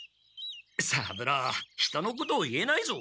三郎人のことを言えないぞ！